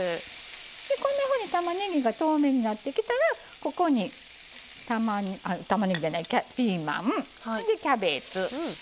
こんなふうにたまねぎが透明になってきたらここにピーマンキャベツ